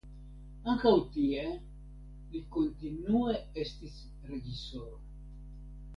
Ankaŭ tie li kontinue estis reĝisoro.